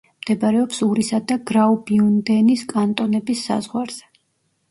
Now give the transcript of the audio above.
მდებარეობს ურისა და გრაუბიუნდენის კანტონების საზღვარზე.